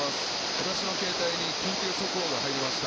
私の携帯に緊急速報が入りました。